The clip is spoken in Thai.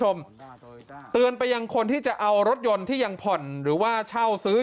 เตือนไปยังคนที่จะเอารถยนต์ที่ยังผ่อนหรือว่าเช่าซื้อ